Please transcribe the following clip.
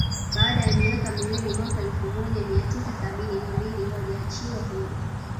Baada ya miaka miwili mwaka elfu moja mia tisa sabini na mbili waliachiwa huru